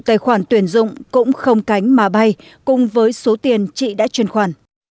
chủ tài khoản tuyển dụng cũng không cánh mà bay cùng với số tiền chị đã chuyển khoản